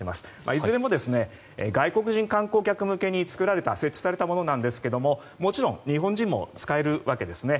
いずれも外国人観光客向けに作られて設置されたものなんですがもちろん日本人も使えるわけですね。